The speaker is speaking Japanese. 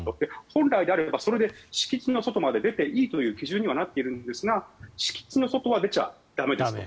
本来であればそれで敷地の外まで出ていいという基準になっているんですが敷地の外は出ちゃ駄目ですと。